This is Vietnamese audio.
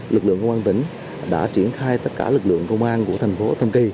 lực lượng công an tỉnh đã triển khai tất cả lực lượng công an của thành phố thông kỳ